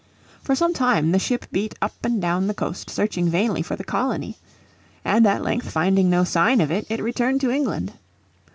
For some time the ship beat up and down the coast searching vainly for the colony. And at length finding no sign of it, it returned to England.